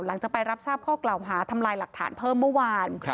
หลังจากไปรับทราบข้อกล่าวหาทำลายหลักฐานเพิ่มเมื่อวาน